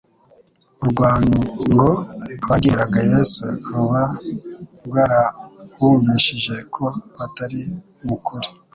urwango bagiriraga Yesu ruba rwarabumvishije ko batari mu kuri.